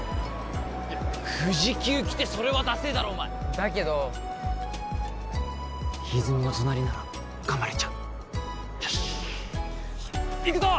いや富士急来てそれはだせえだろお前だけど泉の隣なら頑張れちゃうよしっいくぞ！